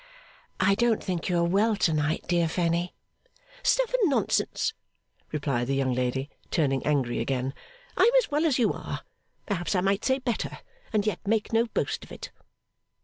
'I don't think you are well to night, dear Fanny.' 'Stuff and nonsense!' replied the young lady, turning angry again; 'I am as well as you are. Perhaps I might say better, and yet make no boast of it.